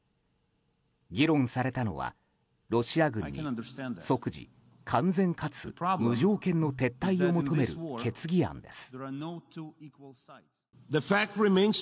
議論されたのはロシア軍に即時、完全かつ無条件の撤退を求める決議案です。